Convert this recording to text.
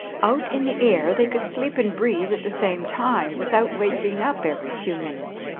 Out in the air they could sleep and breathe at the same time, without waking up every few minutes.